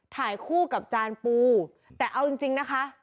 ถ่ายคู่กับจานปูแต่เอาจริงนะคะ